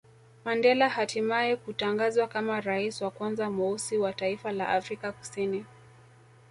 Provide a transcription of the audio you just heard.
Mandela hatimae kutangazwa kama rais wa kwanza mweusi wa taifa la Afrika Kusini